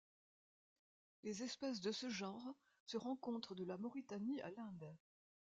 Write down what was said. Les espèces de ce genre se rencontrent de la Mauritanie à l'Inde.